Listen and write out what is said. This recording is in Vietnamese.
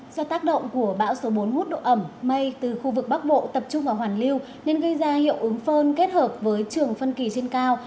do tác động của bão số bốn hút độ ẩm mây từ khu vực bắc bộ tập trung vào hoàn lưu nên gây ra hiệu ứng phơn kết hợp với trường phân kỳ trên cao